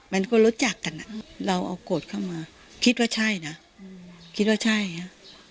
มันก็รู้จักกันอ่ะเราเอาโกรธเข้ามาคิดว่าใช่นะคิดว่าใช่ฮะ